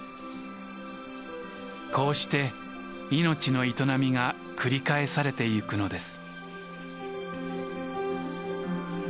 こうして命の営みが繰り返されていくのです。